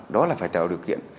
đó là phải tạo điều kiện